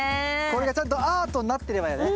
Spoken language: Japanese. これがちゃんとアートになってればやね